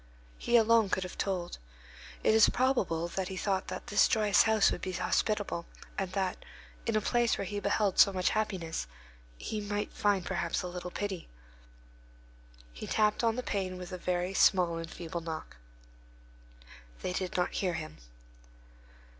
He alone could have told. It is probable that he thought that this joyous house would be hospitable, and that, in a place where he beheld so much happiness, he would find perhaps a little pity. He tapped on the pane with a very small and feeble knock. They did not hear him.